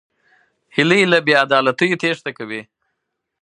هیلۍ له بېعدالتیو تېښته کوي